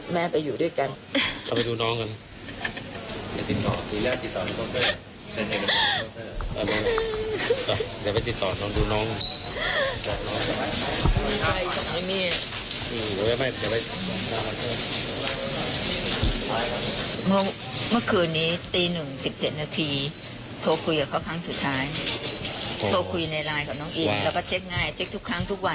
เมื่อคืนนี้ตีหนึ่งสิบเจ็ดนาทีโทรคุยกับเขาครั้งสุดท้ายโทรคุยในไลน์กับน้องอินแล้วก็เช็คง่ายเช็คทุกครั้งทุกวัน